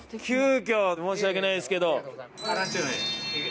急きょ申し訳ないですけど。